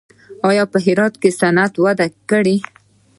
آیا په هرات کې صنعت وده کړې؟